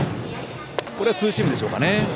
これはツーシームでしょうか。